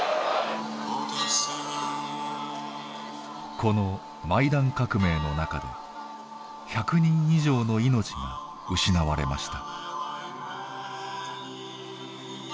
このマイダン革命の中で１００人以上の命が失われました。